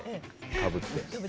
かぶって。